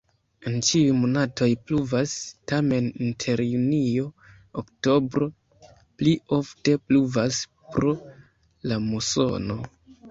En ĉiuj monatoj pluvas, tamen inter junio-oktobro pli ofte pluvas pro la musono.